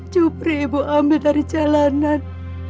cupri ibu ambil dari jalanan